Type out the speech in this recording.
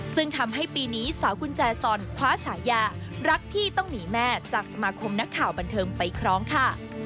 ซึ่งทำให้ปีนี้สาวกุญแจซอนคว้าฉายารักพี่ต้องหนีแม่จากสมาคมนักข่าวบันเทิงไปคล้องค่ะ